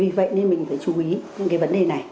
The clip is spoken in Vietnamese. vì vậy nên mình phải chú ý đến cái vấn đề này